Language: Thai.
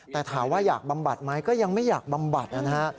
แต่ถามว่าอยากบำบัดไหมก็ยังไม่อยากบำบัดนะฮะ